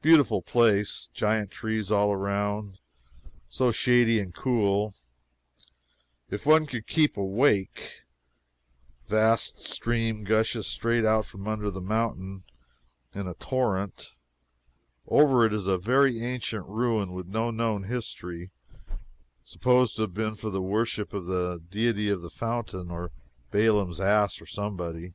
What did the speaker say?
Beautiful place giant trees all around so shady and cool, if one could keep awake vast stream gushes straight out from under the mountain in a torrent. Over it is a very ancient ruin, with no known history supposed to have been for the worship of the deity of the fountain or Baalam's ass or somebody.